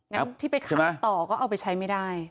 งั้นที่ไปขายต่อก็เอาไปใช้ไม่ได้